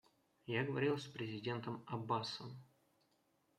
Я говорил с президентом Аббасом.